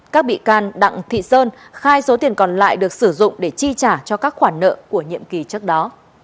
các bị can đặng thị sơn khai số tiền còn lại được sử dụng để chi trả cho các khoản nợ của nhiệm kỳ trước đó